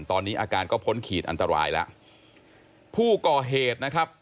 ตอนนี้อาการก็พ้นขีดอันตรายแล้วผู้ก่อเหตุนะครับ